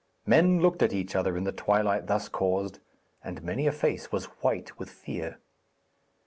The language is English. Men looked at each other in the twilight thus caused, and many a face was white with fear.